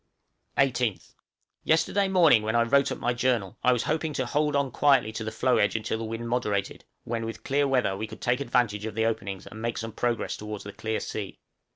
{DOGS LOST.} 18th. Yesterday morning when I wrote up my journal, I was hoping to hold on quietly to the floe edge until the wind moderated, when with clear weather we could take advantage of the openings and make some progress towards the clear sea.